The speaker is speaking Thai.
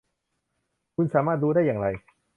คุณสามารถรู้ได้อย่างไร